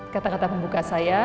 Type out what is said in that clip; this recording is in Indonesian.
kata kata pembuka saya